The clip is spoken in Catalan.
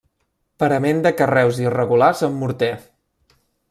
Parament de carreus irregulars amb morter.